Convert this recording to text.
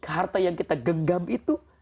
harta yang kita genggam itu